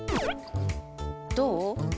どう？